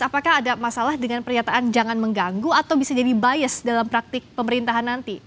apakah ada masalah dengan pernyataan jangan mengganggu atau bisa jadi bias dalam praktik pemerintahan nanti